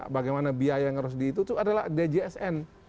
bagaimana biaya yang harus dihitung adalah dgsn